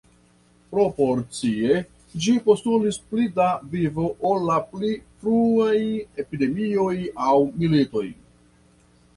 Proporcie, ĝi postulis pli da vivo ol la pli fruaj epidemioj aŭ militoj.